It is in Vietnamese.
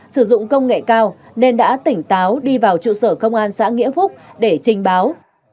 sử dụng công nghệ cao nên đã tỉnh táo đi vào trụ sở công an xã nghĩa phúc để trình báo